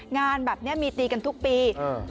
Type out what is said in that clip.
งานแบบนี้มีตีกันทุกปี